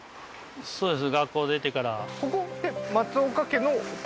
そうです